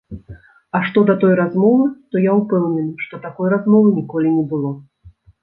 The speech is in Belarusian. А што да той размовы, то я ўпэўнены, што такой размовы ніколі не было.